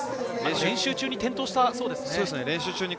練習中に転倒したそうですね。